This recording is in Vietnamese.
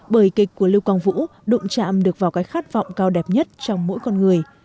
bởi kịch của lưu quang vũ đụng chạm được vào cái khát vọng cao đẹp nhất trong mỗi con người